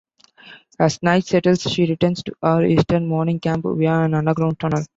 As night settles, she returns to her eastern morning camp via an underground tunnel.